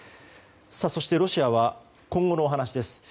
そして、ロシアは今後のお話です。